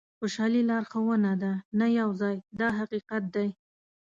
خوشالي لارښوونه ده نه یو ځای دا حقیقت دی.